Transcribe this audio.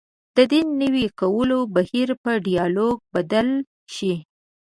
د دین د نوي کولو بهیر په ډیالوګ بدل شي.